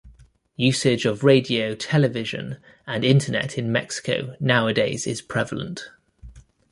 Usage of radio, television and Internet in Mexico nowadays is prevalent.